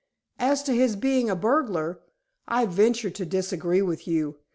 As to his being a burglar, I venture to disagree with you.